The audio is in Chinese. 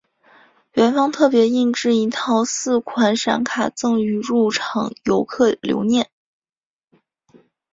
园方特别印制一套四款闪卡赠予入场游客留念。